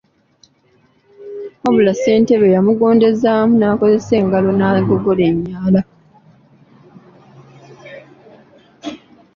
Wabula ssentebe yamugondezzaamu n’akozesa ngalo n’agogola n’emyala.